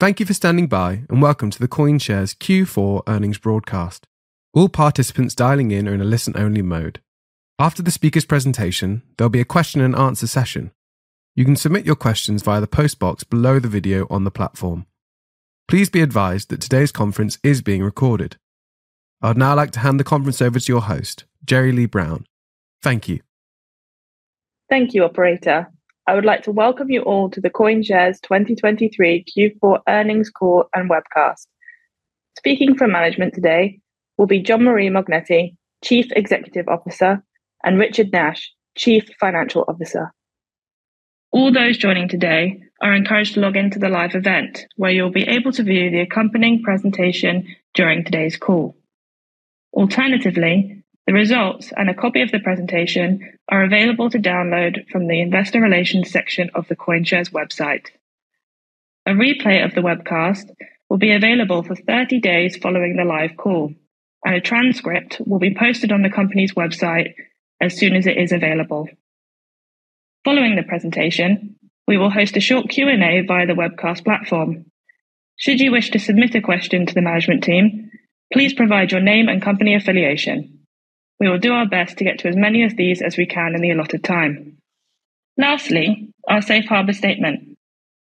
Thank you for standing by, and welcome to the CoinShares Q4 earnings broadcast. All participants dialing in are in a listen-only mode. After the speaker's presentation, there'll be a question-and-answer session. You can submit your questions via the post box below the video on the platform. Please be advised that today's conference is being recorded. I'd now like to hand the conference over to your host, Jeri-Lea Brown. Thank you. Thank you, Operator. I would like to welcome you all to the CoinShares 2023 Q4 earnings call and webcast. Speaking from management today will be Jean-Marie Mognetti, Chief Executive Officer, and Richard Nash, Chief Financial Officer. All those joining today are encouraged to log in to the live event where you'll be able to view the accompanying presentation during today's call. Alternatively, the results and a copy of the presentation are available to download from the Investor Relations section of the CoinShares website. A replay of the webcast will be available for 30 days following the live call, and a transcript will be posted on the company's website as soon as it is available. Following the presentation, we will host a short Q&A via the webcast platform. Should you wish to submit a question to the management team, please provide your name and company affiliation. We will do our best to get to as many of these as we can in the allotted time. Lastly, our safe harbor statement: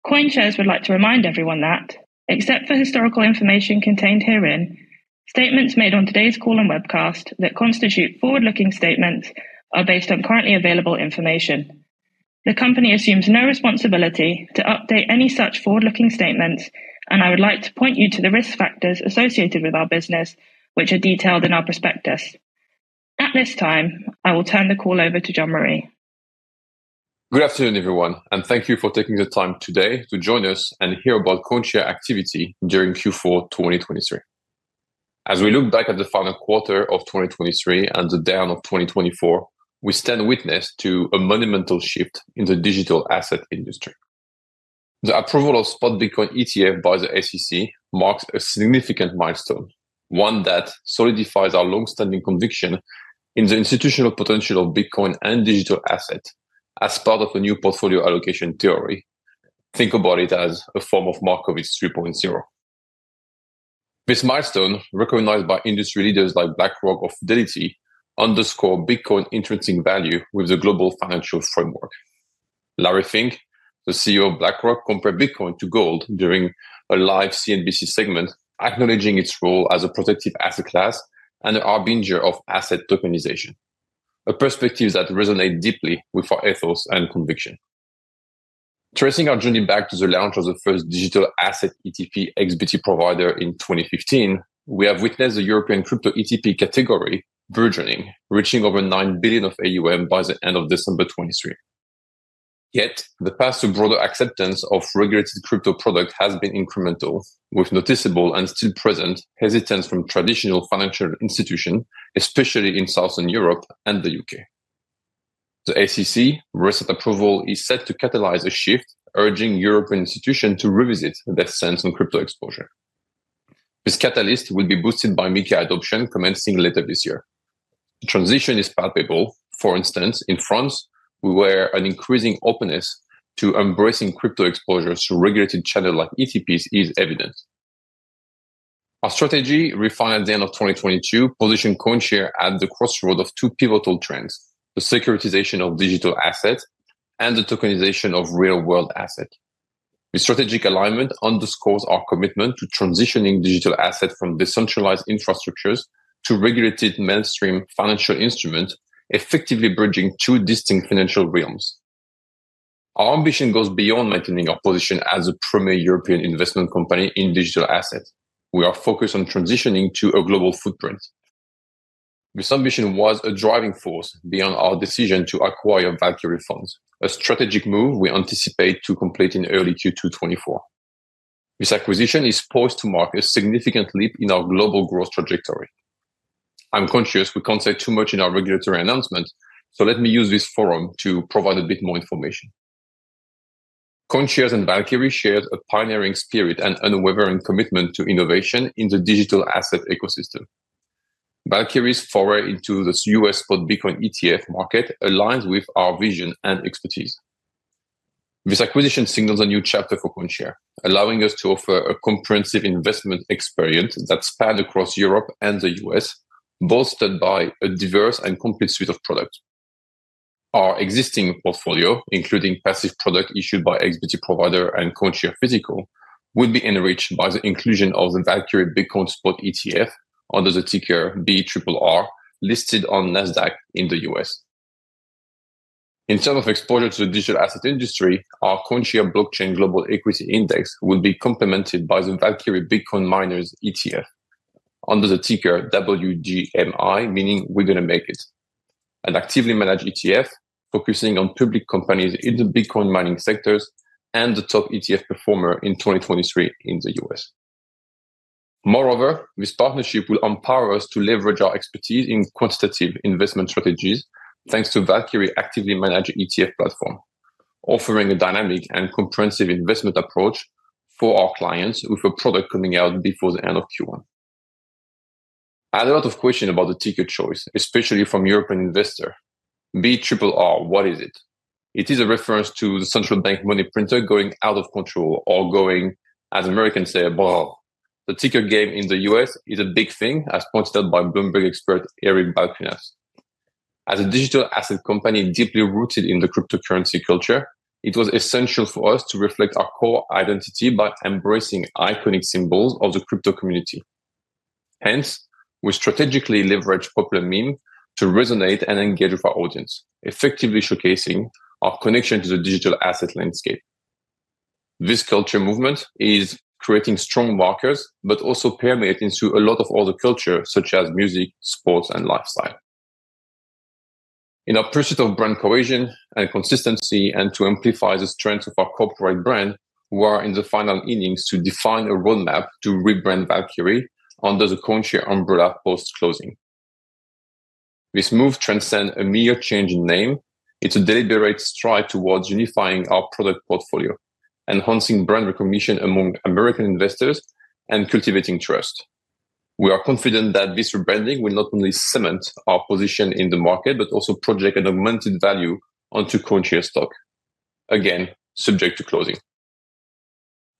CoinShares would like to remind everyone that, except for historical information contained herein, statements made on today's call and webcast that constitute forward-looking statements are based on currently available information. The company assumes no responsibility to update any such forward-looking statements, and I would like to point you to the risk factors associated with our business, which are detailed in our prospectus. At this time, I will turn the call over to Jean-Marie. Good afternoon, everyone, and thank you for taking the time today to join us and hear about CoinShares' activity during Q4 2023. As we look back at the final quarter of 2023 and the dawn of 2024, we stand witness to a monumental shift in the digital asset industry. The approval of spot Bitcoin ETF by the SEC marks a significant milestone, one that solidifies our longstanding conviction in the institutional potential of Bitcoin and digital assets as part of a new portfolio allocation theory. Think about it as a form of Markowitz 3.0. This milestone, recognized by industry leaders like BlackRock, Fidelity, underscores Bitcoin's intrinsic value with the global financial framework. Larry Fink, the CEO of BlackRock, compared Bitcoin to gold during a live CNBC segment, acknowledging its role as a protective asset class and the harbinger of asset tokenization - a perspective that resonates deeply with our ethos and conviction. Tracing our journey back to the launch of the first digital asset ETP/XBT Provider in 2015, we have witnessed the European crypto ETP category burgeoning, reaching over $9 billion AUM by the end of December 2023. Yet, the path to broader acceptance of regulated crypto products has been incremental, with noticeable and still present hesitance from traditional financial institutions, especially in Southern Europe and the U.K. The SEC's recent approval is set to catalyze a shift, urging European institutions to revisit their sense of crypto exposure. This catalyst will be boosted by MiCA adoption commencing later this year. The transition is palpable. For instance, in France, where an increasing openness to embracing crypto exposure through regulated channels like ETPs is evident. Our strategy, refined at the end of 2022, positioned CoinShares at the crossroads of two pivotal trends: the securitization of digital assets and the tokenization of real-world assets. This strategic alignment underscores our commitment to transitioning digital assets from decentralized infrastructures to regulated mainstream financial instruments, effectively bridging two distinct financial realms. Our ambition goes beyond maintaining our position as a premier European investment company in digital assets. We are focused on transitioning to a global footprint. This ambition was a driving force beyond our decision to acquire Valkyrie Funds, a strategic move we anticipate to complete in early Q2 2024. This acquisition is poised to mark a significant leap in our global growth trajectory. I'm conscious we can't say too much in our regulatory announcement, so let me use this forum to provide a bit more information. CoinShares and Valkyrie share a pioneering spirit and unwavering commitment to innovation in the digital asset ecosystem. Valkyrie's foray into the U.S. spot Bitcoin ETF market aligns with our vision and expertise. This acquisition signals a new chapter for CoinShares, allowing us to offer a comprehensive investment experience that spans across Europe and the U.S., bolstered by a diverse and complete suite of products. Our existing portfolio, including passive products issued by XBT Provider and CoinShares Physical, would be enriched by the inclusion of the Valkyrie Bitcoin Spot ETF under the ticker BRRR, listed on Nasdaq in the U.S. In terms of exposure to the digital asset industry, our CoinShares Blockchain Global Equity Index would be complemented by the Valkyrie Bitcoin Miners ETF under the ticker WGMI, meaning "We're Going to Make It," an actively managed ETF focusing on public companies in the Bitcoin mining sectors and the top ETF performer in 2023 in the U.S. Moreover, this partnership will empower us to leverage our expertise in quantitative investment strategies thanks to Valkyrie's actively managed ETF platform, offering a dynamic and comprehensive investment approach for our clients with a product coming out before the end of Q1. I had a lot of questions about the ticker choice, especially from European investors. BRRRR, what is it? It is a reference to the central bank money printer going out of control or going, as Americans say, BRRR. The ticker game in the U.S. is a big thing, as pointed out by Bloomberg expert Eric Balchunas. As a digital asset company deeply rooted in the cryptocurrency culture, it was essential for us to reflect our core identity by embracing iconic symbols of the crypto community. Hence, we strategically leverage popular memes to resonate and engage with our audience, effectively showcasing our connection to the digital asset landscape. This culture movement is creating strong markers but also permeating through a lot of other cultures, such as music, sports, and lifestyle. In our pursuit of brand cohesion and consistency, and to amplify the strength of our corporate brand, we are in the final innings to define a roadmap to rebrand Valkyrie under the CoinShares umbrella post-closing. This move transcends a mere change in name. It's a deliberate strive towards unifying our product portfolio, enhancing brand recognition among American investors, and cultivating trust. We are confident that this rebranding will not only cement our position in the market but also project an augmented value onto CoinShares stock, again, subject to closing.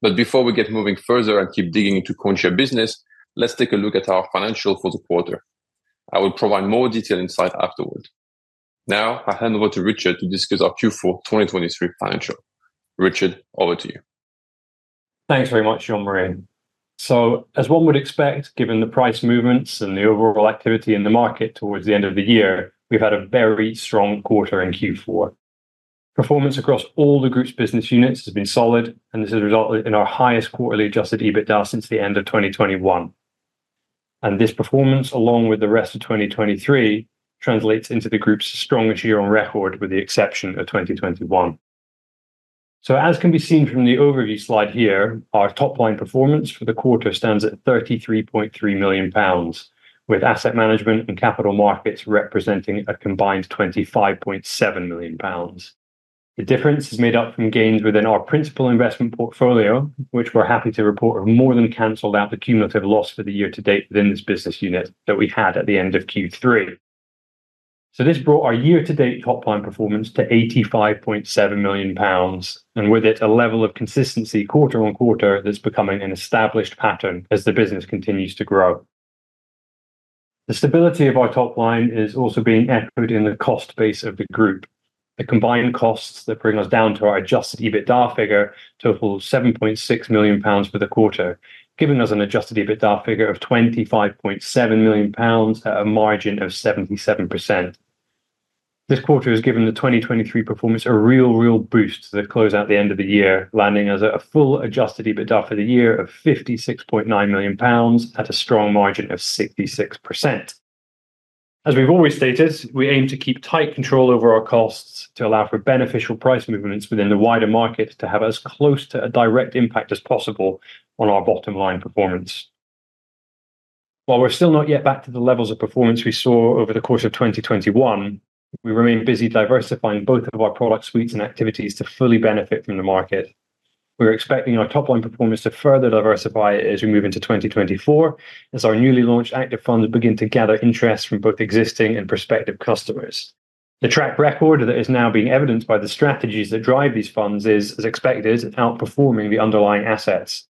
But before we get moving further and keep digging into CoinShares' business, let's take a look at our financials for the quarter. I will provide more detailed insight afterward. Now, I hand over to Richard to discuss our Q4 2023 financials. Richard, over to you. Thanks very much, Jean-Marie. As one would expect, given the price movements and the overall activity in the market towards the end of the year, we've had a very strong quarter in Q4. Performance across all the group's business units has been solid, and this has resulted in our highest quarterly adjusted EBITDA since the end of 2021. This performance, along with the rest of 2023, translates into the group's strongest year on record, with the exception of 2021. As can be seen from the overview slide here, our top-line performance for the quarter stands at 33.3 million pounds, with asset management and capital markets representing a combined 25.7 million pounds. The difference is made up from gains within our principal investment portfolio, which we're happy to report have more than cancelled out the cumulative loss for the year to date within this business unit that we had at the end of Q3. So, this brought our year-to-date top-line performance to 85.7 million pounds, and with it, a level of consistency quarter on quarter that's becoming an established pattern as the business continues to grow. The stability of our top-line is also being echoed in the cost base of the group. The combined costs that bring us down to our adjusted EBITDA figure total 7.6 million pounds for the quarter, giving us an adjusted EBITDA figure of 25.7 million pounds at a margin of 77%. This quarter has given the 2023 performance a real, real boost to the close at the end of the year, landing us at a full adjusted EBITDA for the year of 56.9 million pounds at a strong margin of 66%. As we've always stated, we aim to keep tight control over our costs to allow for beneficial price movements within the wider market to have as close to a direct impact as possible on our bottom-line performance. While we're still not yet back to the levels of performance we saw over the course of 2021, we remain busy diversifying both of our product suites and activities to fully benefit from the market. We're expecting our top-line performance to further diversify as we move into 2024, as our newly launched active funds begin to gather interest from both existing and prospective customers. The track record that is now being evidenced by the strategies that drive these funds is, as expected, outperforming the underlying assets.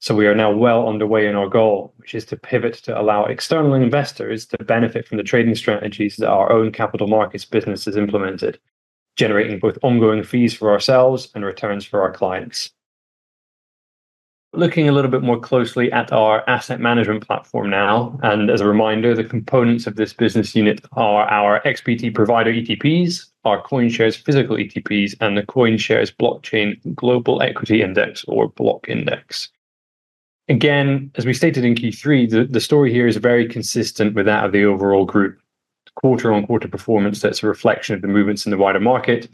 So, we are now well underway in our goal, which is to pivot to allow external investors to benefit from the trading strategies that our own capital markets business has implemented, generating both ongoing fees for ourselves and returns for our clients. Looking a little bit more closely at our asset management platform now, and as a reminder, the components of this business unit are our XBT Provider ETPs, our CoinShares Physical ETPs, and the CoinShares Blockchain Global Equity Index, or BLOCK Index. Again, as we stated in Q3, the story here is very consistent with that of the overall group: quarter-on-quarter performance that's a reflection of the movements in the wider market,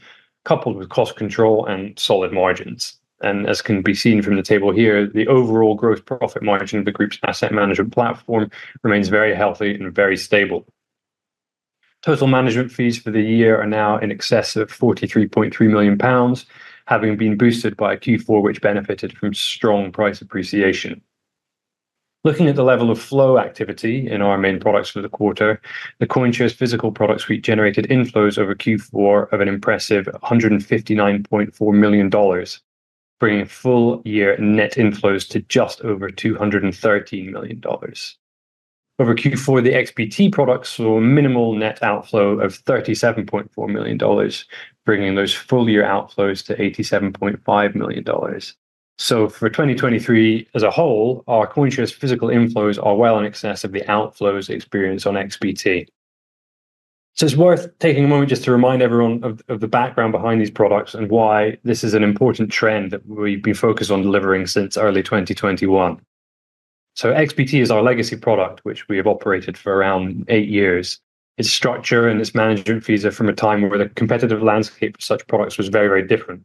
coupled with cost control and solid margins. As can be seen from the table here, the overall gross profit margin of the group's asset management platform remains very healthy and very stable. Total management fees for the year are now in excess of 43.3 million pounds, having been boosted by Q4, which benefited from strong price appreciation. Looking at the level of flow activity in our main products for the quarter, the CoinShares Physical product suite generated inflows over Q4 of an impressive $159.4 million, bringing full-year net inflows to just over $213 million. Over Q4, the XBT products saw a minimal net outflow of $37.4 million, bringing those full-year outflows to $87.5 million. For 2023 as a whole, our CoinShares Physical inflows are well in excess of the outflows experienced on XBT. So, it's worth taking a moment just to remind everyone of the background behind these products and why this is an important trend that we've been focused on delivering since early 2021. XBT is our legacy product, which we have operated for around eight years. Its structure and its management fees are from a time where the competitive landscape for such products was very, very different.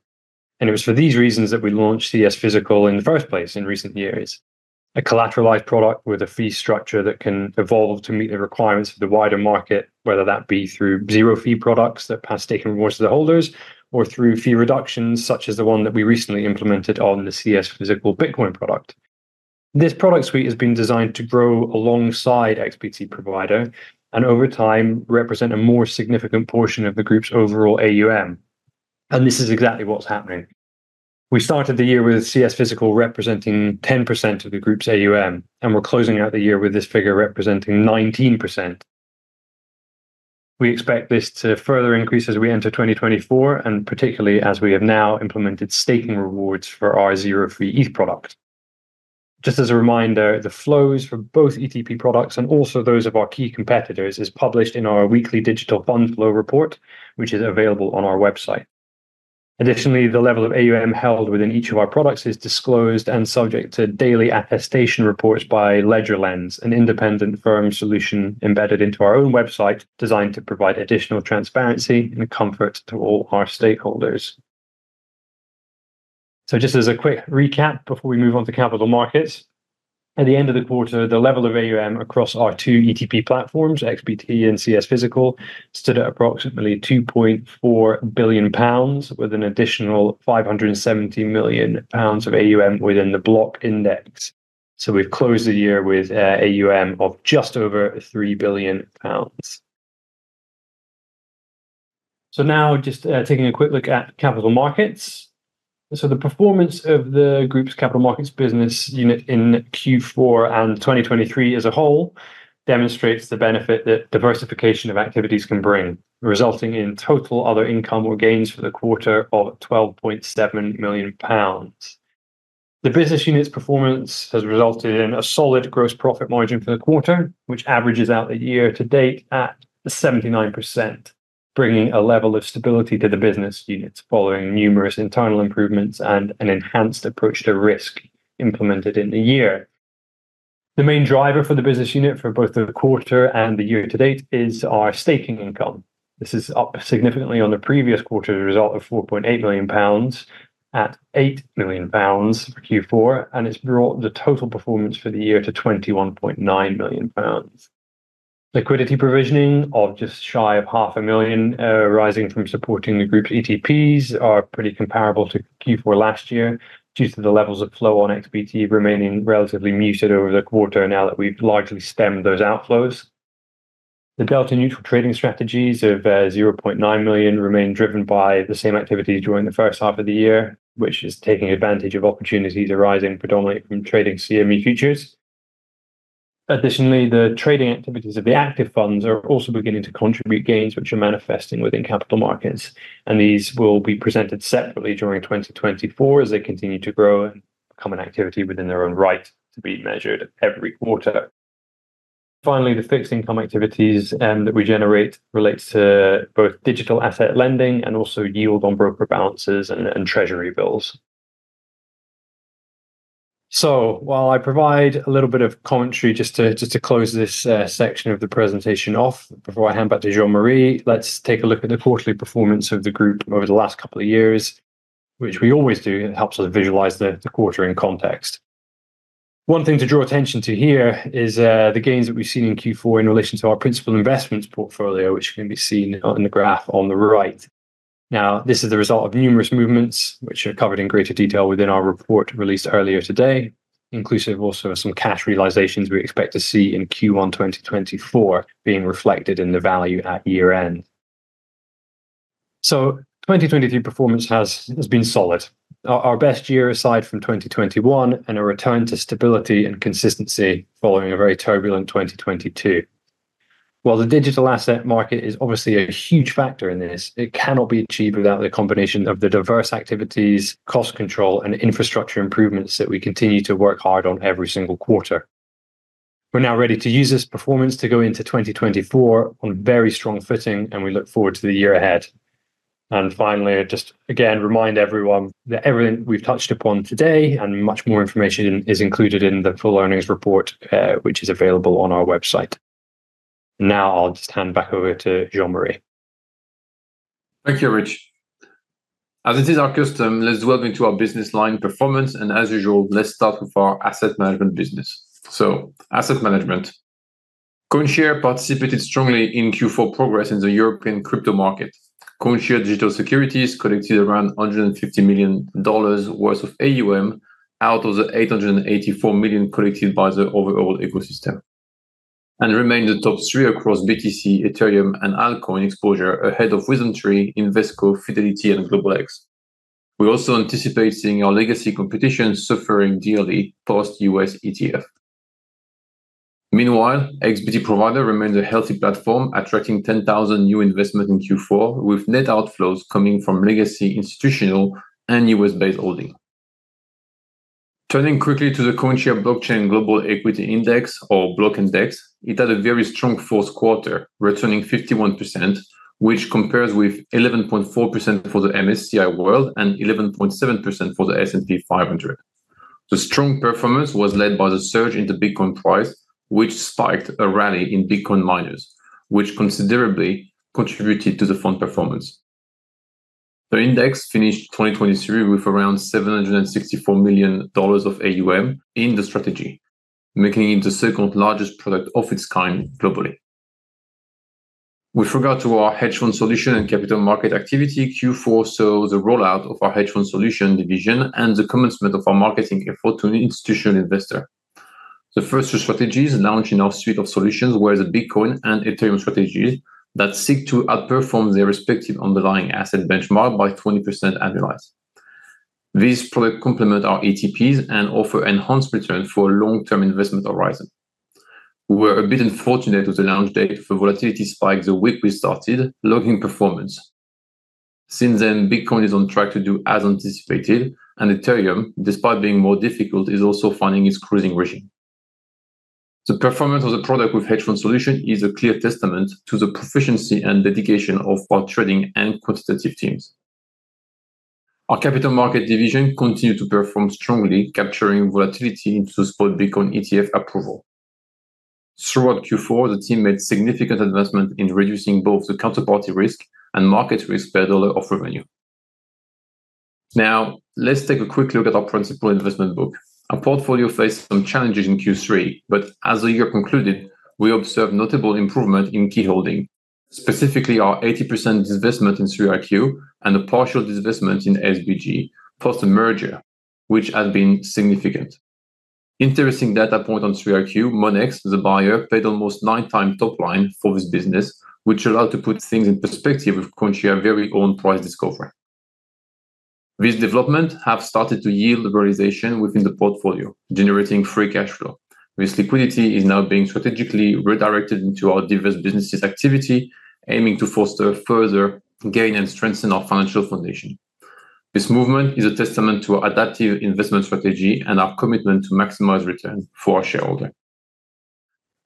It was for these reasons that we launched CS Physical in the first place in recent years: a collateralized product with a fee structure that can evolve to meet the requirements of the wider market, whether that be through zero-fee products that pass staking rewards to the holders, or through fee reductions such as the one that we recently implemented on the CS Physical Bitcoin product. This product suite has been designed to grow alongside XBT Provider and, over time, represent a more significant portion of the group's overall AUM. And this is exactly what's happening. We started the year with CS Physical representing 10% of the group's AUM, and we're closing out the year with this figure representing 19%. We expect this to further increase as we enter 2024, and particularly as we have now implemented staking rewards for our zero-fee ETH product. Just as a reminder, the flows for both ETP products and also those of our key competitors are published in our weekly digital fund flow report, which is available on our website. Additionally, the level of AUM held within each of our products is disclosed and subject to daily attestation reports by LedgerLens, an independent firm solution embedded into our own website designed to provide additional transparency and comfort to all our stakeholders. Just as a quick recap before we move on to capital markets, at the end of the quarter, the level of AUM across our two ETP platforms, XBT and CS Physical, stood at approximately 2.4 billion pounds, with an additional 570 million pounds of AUM within the Block Index. We've closed the year with AUM of just over 3 billion pounds. Now, just taking a quick look at capital markets. The performance of the group's capital markets business unit in Q4 and 2023 as a whole demonstrates the benefit that diversification of activities can bring, resulting in total other income or gains for the quarter of 12.7 million pounds. The business unit's performance has resulted in a solid gross profit margin for the quarter, which averages out the year to date at 79%, bringing a level of stability to the business unit following numerous internal improvements and an enhanced approach to risk implemented in the year. The main driver for the business unit for both the quarter and the year to date is our staking income. This is up significantly on the previous quarter's result of 4.8 million pounds at 8 million pounds for Q4, and it's brought the total performance for the year to 21.9 million pounds. Liquidity provisioning of just shy of 500,000, rising from supporting the group's ETPs, are pretty comparable to Q4 last year due to the levels of flow on XBT remaining relatively muted over the quarter now that we've largely stemmed those outflows. The delta-neutral trading strategies of 0.9 million remain driven by the same activities during the first half of the year, which is taking advantage of opportunities arising predominantly from trading CME futures. Additionally, the trading activities of the active funds are also beginning to contribute gains, which are manifesting within capital markets. These will be presented separately during 2024 as they continue to grow and become an activity within their own right to be measured every quarter. Finally, the fixed income activities that we generate relate to both digital asset lending and also yield on broker balances and treasury bills. While I provide a little bit of commentary just to close this section of the presentation off before I hand back to Jean-Marie, let's take a look at the quarterly performance of the group over the last couple of years, which we always do. It helps us visualize the quarter in context. One thing to draw attention to here is the gains that we've seen in Q4 in relation to our principal investments portfolio, which can be seen in the graph on the right. Now, this is the result of numerous movements, which are covered in greater detail within our report released earlier today, inclusive also of some cash realizations we expect to see in Q1 2024 being reflected in the value at year-end. So, 2023 performance has been solid, our best year aside from 2021, and a return to stability and consistency following a very turbulent 2022. While the digital asset market is obviously a huge factor in this, it cannot be achieved without the combination of the diverse activities, cost control, and infrastructure improvements that we continue to work hard on every single quarter. We're now ready to use this performance to go into 2024 on very strong footing, and we look forward to the year ahead. And finally, just again, remind everyone that everything we've touched upon today and much more information is included in the full earnings report, which is available on our website. Now, I'll just hand back over to Jean-Marie. Thank you, Rich. As it is our custom, let's delve into our business line performance, and as usual, let's start with our asset management business. So, asset management. CoinShares participated strongly in Q4 progress in the European crypto market. CoinShares Digital Securities collected around $150 million worth of AUM out of the $884 million collected by the overall ecosystem, and remained the top three across BTC, Ethereum, and altcoin exposure ahead of WisdomTree, Invesco, Fidelity, and Global X. We also anticipate seeing our legacy competition suffering dearly post-U.S. ETF. Meanwhile, XBT Provider remained a healthy platform, attracting 10,000 new investments in Q4, with net outflows coming from legacy institutional and U.S.-based holdings. Turning quickly to the CoinShares Blockchain Global Equity Index, or Block Index, it had a very strong fourth quarter, returning 51%, which compares with 11.4% for the MSCI World and 11.7% for the S&P 500. The strong performance was led by the surge in the Bitcoin price, which spiked a rally in Bitcoin miners, which considerably contributed to the fund performance. The index finished 2023 with around $764 million of AUM in the strategy, making it the second-largest product of its kind globally. With regard to our hedge fund solution and capital market activity, Q4 saw the rollout of our hedge fund solution division and the commencement of our marketing effort to an institutional investor. The first two strategies launched in our suite of solutions were the Bitcoin and Ethereum strategies that seek to outperform their respective underlying asset benchmark by 20% annualized. These products complement our ETPs and offer enhanced returns for a long-term investment horizon. We were a bit unfortunate with the launch date for volatility spikes the week we started, logging performance. Since then, Bitcoin is on track to do as anticipated, and Ethereum, despite being more difficult, is also finding its cruising regime. The performance of the product with hedge fund solution is a clear testament to the proficiency and dedication of our trading and quantitative teams. Our capital market division continued to perform strongly, capturing volatility into the spot Bitcoin ETF approval. Throughout Q4, the team made significant advancements in reducing both the counterparty risk and market risk per dollar of revenue. Now, let's take a quick look at our principal investment book. Our portfolio faced some challenges in Q3, but as the year concluded, we observed notable improvement in key holding, specifically our 80% disinvestment in 3iQ and a partial disinvestment in SBG post-merger, which has been significant. Interesting data point on 3iQ. Monex, the buyer, paid almost nine times top line for this business, which allowed to put things in perspective with CoinShares' very own price discovery. These developments have started to yield realization within the portfolio, generating free cash flow. This liquidity is now being strategically redirected into our diverse business activity, aiming to foster further gain and strengthen our financial foundation. This movement is a testament to our adaptive investment strategy and our commitment to maximize returns for our shareholders.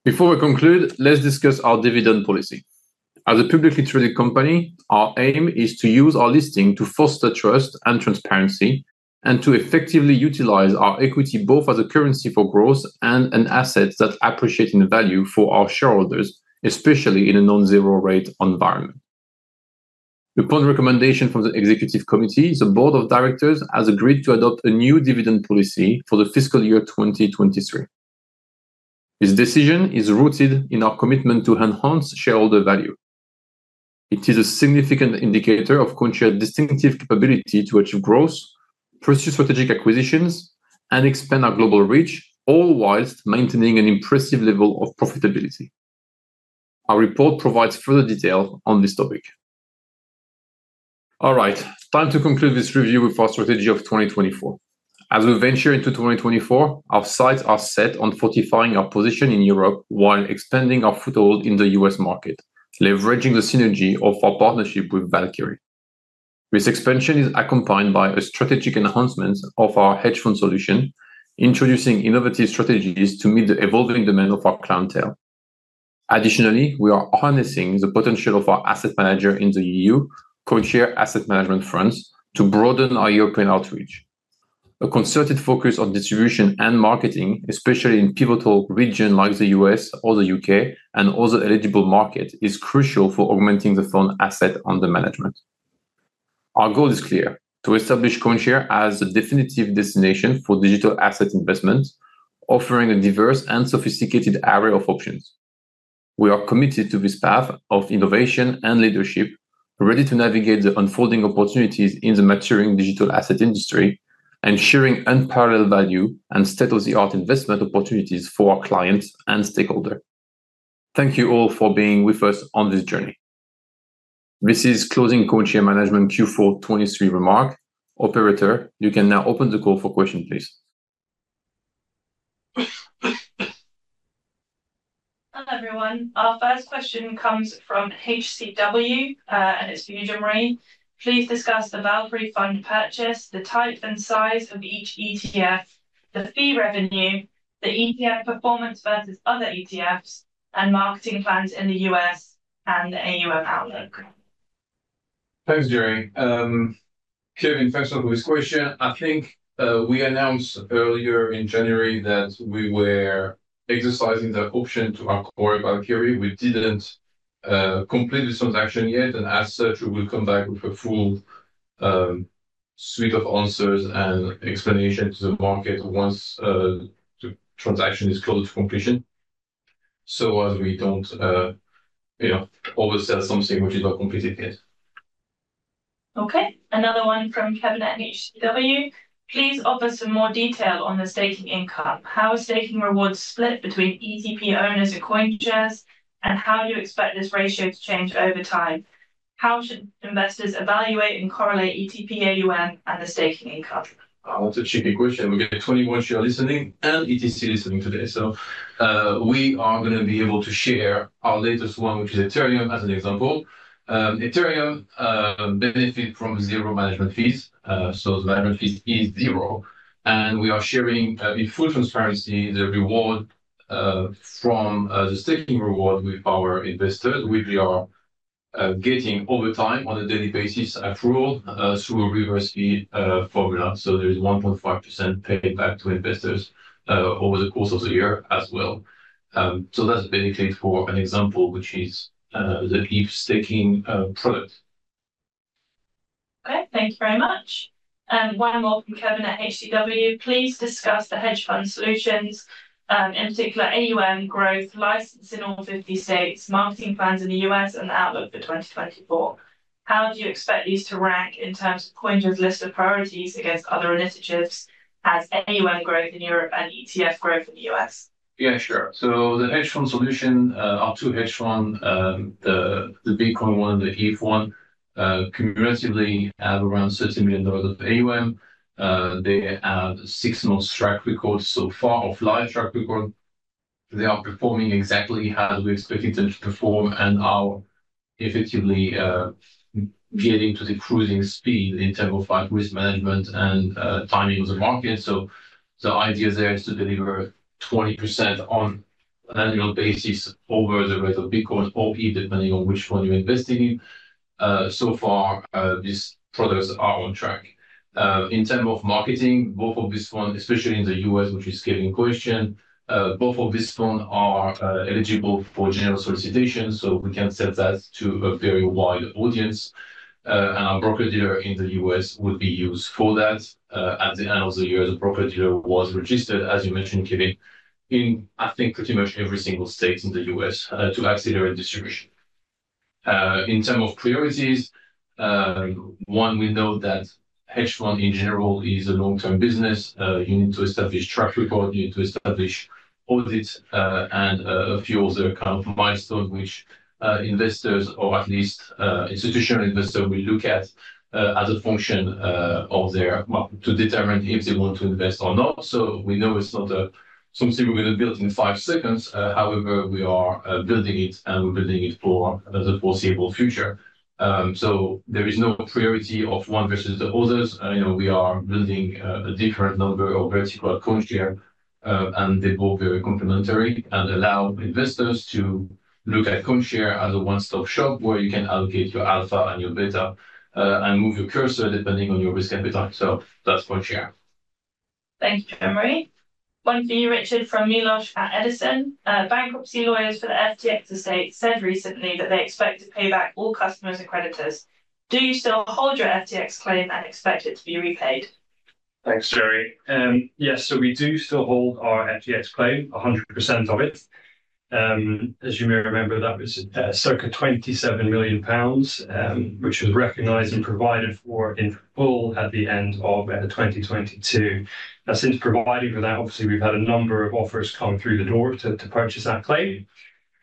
Before we conclude, let's discuss our dividend policy. As a publicly traded company, our aim is to use our listing to foster trust and transparency and to effectively utilize our equity both as a currency for growth and an asset that's appreciating value for our shareholders, especially in a non-zero-rate environment. Upon recommendation from the executive committee, the board of directors has agreed to adopt a new dividend policy for the fiscal year 2023. This decision is rooted in our commitment to enhance shareholder value. It is a significant indicator of CoinShares' distinctive capability to achieve growth, pursue strategic acquisitions, and expand our global reach, all while maintaining an impressive level of profitability. Our report provides further detail on this topic. All right, time to conclude this review with our strategy of 2024. As we venture into 2024, our sights are set on fortifying our position in Europe while expanding our foothold in the U.S. market, leveraging the synergy of our partnership with Valkyrie. This expansion is accompanied by a strategic enhancement of our hedge fund solution, introducing innovative strategies to meet the evolving demand of our clientele. Additionally, we are harnessing the potential of our asset manager in the EU, CoinShares Asset Management, to broaden our European outreach. A concerted focus on distribution and marketing, especially in pivotal regions like the U.S. or the U.K. and other eligible markets, is crucial for augmenting the fund asset under management. Our goal is clear: to establish CoinShares as the definitive destination for digital asset investments, offering a diverse and sophisticated array of options. We are committed to this path of innovation and leadership, ready to navigate the unfolding opportunities in the maturing digital asset industry and sharing unparalleled value and state-of-the-art investment opportunities for our clients and stakeholders. Thank you all for being with us on this journey. This is closing CoinShares Management Q4 2023 remark. Operator, you can now open the call for questions, please. Hello everyone. Our first question comes from HCW, and it's for you, Jean-Marie. Please discuss the Valkyrie fund purchase, the type and size of each ETF, the fee revenue, the ETF performance versus other ETFs, and marketing plans in the U.S. and the AUM outlook. Thanks, Jeri-Lea. Kevin, first off, with this question, I think we announced earlier in January that we were exercising the option to our core Valkyrie. We didn't complete this transaction yet, and as such, we will come back with a full suite of answers and explanation to the market once the transaction is closed to completion, so as we don't oversell something which is not completed yet. Okay. Another one from Kevin at HCW. Please offer some more detail on the staking income, how staking rewards split between ETP owners and CoinShares, and how you expect this ratio to change over time. How should investors evaluate and correlate ETP AUM and the staking income? That's a cheeky question. We've got 21Shares listening and ETC Group listening today. So we are going to be able to share our latest one, which is Ethereum, as an example. Ethereum benefits from zero management fees. So the management fee is zero. And we are sharing in full transparency the reward from the staking reward with our investors, which we are getting over time on a daily basis through a reverse fee formula. So there is 1.5% paid back to investors over the course of the year as well. So that's basically for an example, which is the ETH staking product. Okay. Thank you very much. One more from Kevin at HCW. Please discuss the hedge fund solutions, in particular, AUM growth licensing in all 50 states, marketing plans in the U.S., and the outlook for 2024. How do you expect these to rank in terms of CoinShares' list of priorities against other initiatives as AUM growth in Europe and ETF growth in the U.S.? Yeah, sure. So the hedge fund solution, our two hedge funds, the Bitcoin one and the ETH one, cumulatively have around $30 million of AUM. They have six months track record so far of live track record. They are performing exactly how we're expecting them to perform and are effectively getting to the cruising speed in terms of risk management and timing of the market. So the idea there is to deliver 20% on an annual basis over the rate of Bitcoin or ETH, depending on which one you're investing in. So far, these products are on track. In terms of marketing, both of these funds, especially in the U.S., which is Kevin's question, both of these funds are eligible for general solicitation, so we can set that to a very wide audience. And our broker-dealer in the U.S. would be used for that. At the end of the year, the broker-dealer was registered, as you mentioned, Kevin, in, I think, pretty much every single state in the U.S. to accelerate distribution. In terms of priorities, one, we know that hedge fund, in general, is a long-term business. You need to establish track record. You need to establish audits and a few other kind of milestones, which investors or at least institutional investors will look at as a function of their to determine if they want to invest or not. So we know it's not something we're going to build in five seconds. However, we are building it, and we're building it for the foreseeable future. So there is no priority of one versus the others. We are building a different number of vertical CoinShares, and they both are complementary and allow investors to look at CoinShares as a one-stop shop where you can allocate your alpha and your beta and move your cursor depending on your risk capital. So that's CoinShares. Thank you, Jean-Marie. One for you, Richard, from Milosz at Edison. Bankruptcy lawyers for the FTX estate said recently that they expect to pay back all customers and creditors. Do you still hold your FTX claim and expect it to be repaid? Thanks, Jeri-Lea. Yes, so we do still hold our FTX claim, 100% of it. As you may remember, that was circa 27 million pounds, which was recognized and provided for in full at the end of 2022. Now, since providing for that, obviously, we've had a number of offers come through the door to purchase that claim.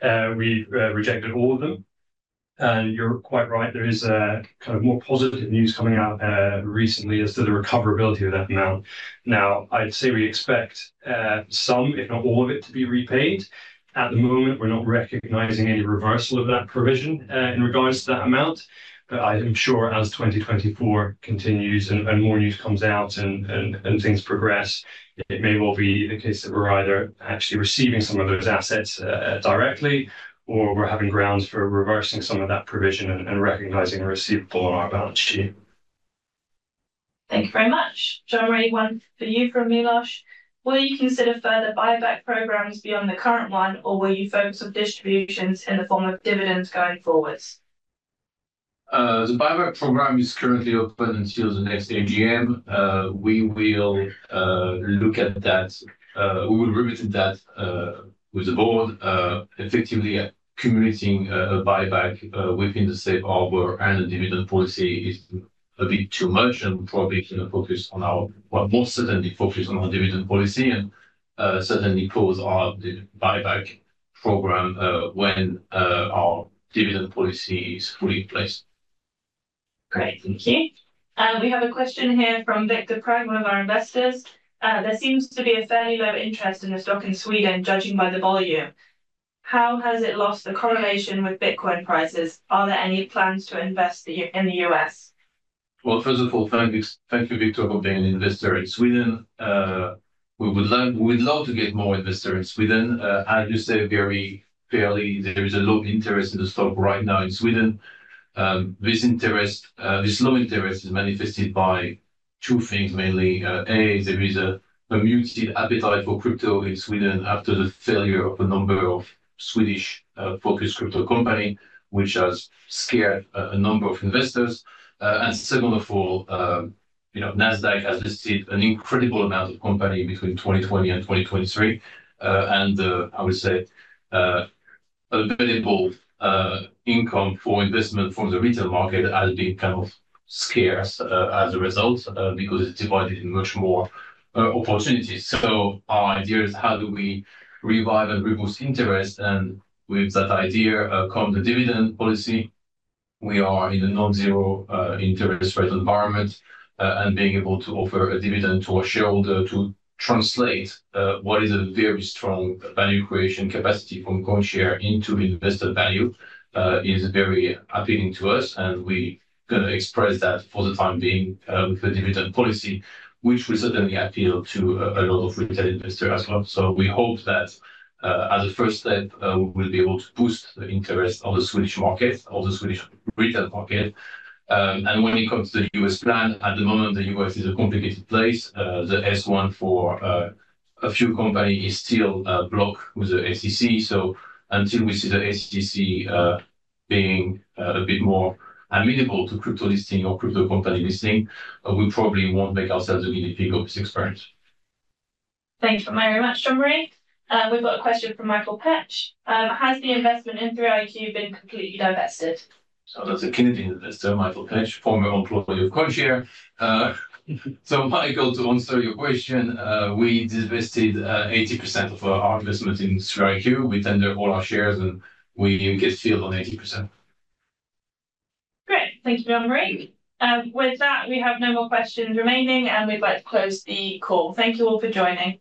We've rejected all of them. You're quite right. There is kind of more positive news coming out recently as to the recoverability of that amount. Now, I'd say we expect some, if not all of it, to be repaid. At the moment, we're not recognizing any reversal of that provision in regards to that amount. I'm sure as 2024 continues and more news comes out and things progress, it may well be the case that we're either actually receiving some of those assets directly or we're having grounds for reversing some of that provision and recognizing a receivable on our balance sheet. Thank you very much. Jean-Marie, one for you from Milosz. Will you consider further buyback programs beyond the current one, or will you focus on distributions in the form of dividends going forwards? The buyback program is currently open until the next AGM. We will look at that. We will revisit that with the board, effectively communicating a buyback within the state harbor. The dividend policy is a bit too much and probably going to focus on our more certainly focus on our dividend policy and certainly close our buyback program when our dividend policy is fully in place. Great. Thank you. We have a question here from Viktor Pråg, one of our investors. There seems to be a fairly low interest in the stock in Sweden, judging by the volume. How has it lost the correlation with Bitcoin prices? Are there any plans to invest in the U.S.? Well, first of all, thank you, Victor, for being an investor in Sweden. We would love to get more investors in Sweden. As you say very fairly, there is a low interest in the stock right now in Sweden. This low interest is manifested by two things, mainly. A, there is a muted appetite for crypto in Sweden after the failure of a number of Swedish-focused crypto companies, which has scared a number of investors. And second of all, Nasdaq has listed an incredible amount of company between 2020 and 2023. And I would say available income for investment from the retail market has been kind of scarce as a result because it's divided in much more opportunities. So our idea is how do we revive and reboost interest? And with that idea comes the dividend policy. We are in a non-zero interest rate environment and being able to offer a dividend to our shareholder to translate what is a very strong value creation capacity from CoinShares into investor value is very appealing to us. And we're going to express that for the time being with the dividend policy, which will certainly appeal to a lot of retail investors as well. So we hope that as a first step, we will be able to boost the interest of the Swedish market, of the Swedish retail market. And when it comes to the U.S. plan, at the moment, the U.S. is a complicated place. The S1 for a few companies is still blocked with the SEC. So until we see the SEC being a bit more amenable to crypto listing or crypto company listing, we probably won't make ourselves a guinea pig of this experience. Thank you very much, Jean-Marie. We've got a question from Michael Petch. Has the investment in 3iQ been completely divested? So that's a Canadian investor, Michael Petch, former employee of CoinShares. So Michael, to answer your question, we divested 80% of our investment in 3iQ. We tender all our shares, and we get filled on 80%. Great. Thank you, Jean-Marie. With that, we have no more questions remaining, and we'd like to close the call. Thank you all for joining.